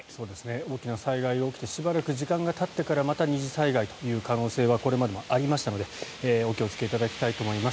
大きな災害が起きてしばらく時間がたってからまた二次災害という可能性はこれまでもありましたのでお気をつけいただきたいと思います。